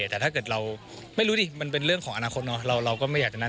แต่ถ้าเกิดเราไม่รู้ดิมันเป็นเรื่องของอนาคตเนอะเราก็ไม่อยากจะนัด